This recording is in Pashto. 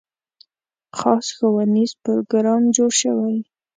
خاص ښوونیز پروګرام جوړ شوی.